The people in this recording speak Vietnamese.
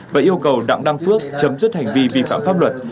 và yêu cầu đặng đăng phước chấm dứt hành vi vi phạm pháp luật